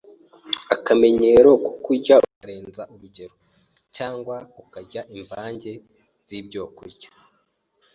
Akamenyero ko kurya ukarenza urugero, cyangwa ukarya imvange z’ibyokurya